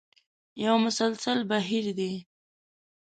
یو مسلسل بهیر دی.